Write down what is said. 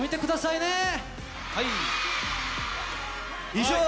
以上。